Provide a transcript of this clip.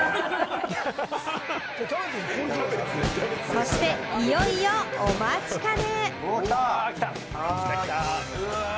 そして、いよいよ、お待ちかね。